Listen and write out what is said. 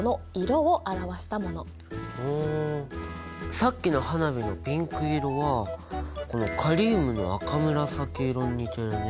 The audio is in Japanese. さっきの花火のピンク色はこのカリウムの赤紫色に似てるね。